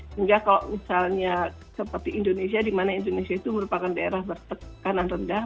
sehingga kalau misalnya seperti indonesia dimana indonesia itu merupakan daerah bertekanan rendah